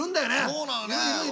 そうなのよね。